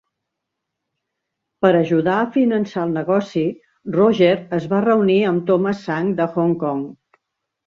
Per ajudar a finançar el negoci, Roger es va reunir amb Tomas Sang de Hong Kong.